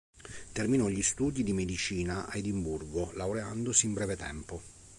Terminò gli studi di Medicina a Edimburgo laureandosi in breve tempo.